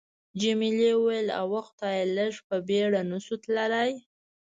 جميلې وويل:: اوه خدایه، لږ په بېړه نه شو تللای؟